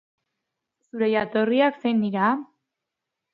Zure jatorriak zein dira?